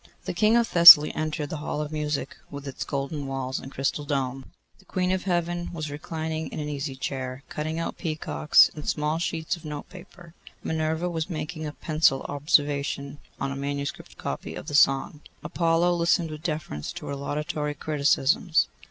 The King of Thessaly entered the Hall of Music with its golden walls and crystal dome. The Queen of Heaven was reclining in an easy chair, cutting out peacocks in small sheets of note paper. Minerva was making a pencil observation on a manuscript copy of the song: Apollo listened with deference to her laudatory criticisms.